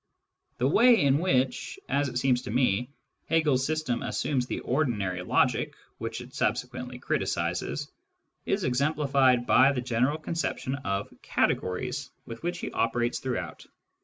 The way in which, as it seems to me, Hegel's system assumes the ordinary logic which it subsequently criticises, is exemplified by the general conception of " categories " with which he operates throughout.